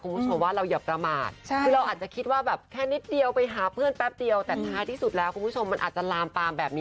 คุณผู้ชมว่าเราอย่าประมาท